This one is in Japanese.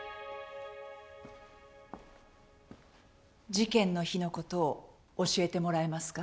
事件の日のことを教えてもらえますか？